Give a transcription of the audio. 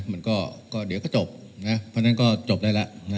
มันก็เดี๋ยวก็จบนะเพราะฉะนั้นก็จบได้แล้ว